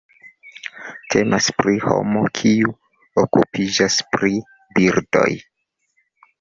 Temas pri homo kiu okupiĝas pri birdoj.